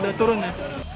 udah turun ya